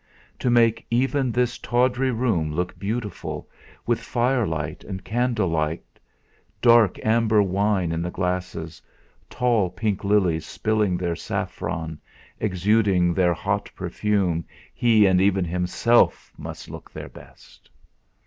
To make even this tawdry room look beautiful, with firelight and candlelight, dark amber wine in the glasses, tall pink lilies spilling their saffron, exuding their hot perfume he and even himself must look their best.